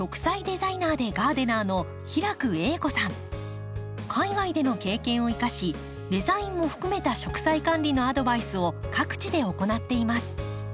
講師は海外での経験を生かしデザインも含めた植栽管理のアドバイスを各地で行っています。